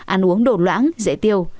ăn uống đồ loãng dễ tiêu